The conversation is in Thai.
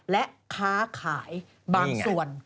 และค้าขายบางส่วน